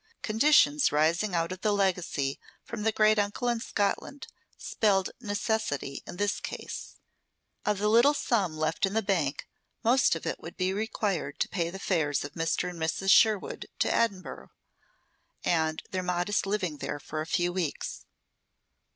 Conditions rising out of the legacy from the great uncle in Scotland spelled necessity in this case. Of the little sum left in bank, most of it would be required to pay the fares of Mr. and Mrs. Sherwood to Edinburgh, and their modest living there for a few weeks.